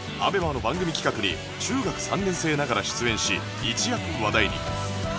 ＡＢＥＭＡ の番組企画に中学３年生ながら出演し一躍話題に